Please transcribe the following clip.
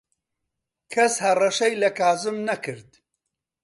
کەس هەڕەشەی لە کازم نەکرد.